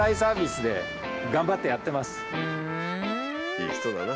いい人だな。